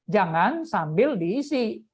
jangan sambil diisi